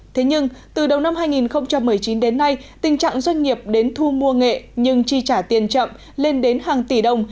thế nhưng từ đầu năm hai nghìn một mươi chín đến nay tình trạng doanh nghiệp đến thu mua nghệ nhưng chi trả tiền chậm lên đến hàng tỷ đồng